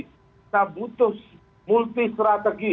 kita butuh multi strategi